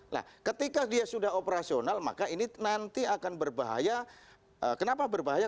nah ketika dia sudah operasional maka ini nanti akan berbahaya kenapa berbahaya